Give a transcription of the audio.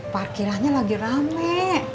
parkirannya lagi rame